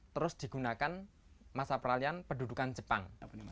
terus digunakan masa peralihan pendudukan jepang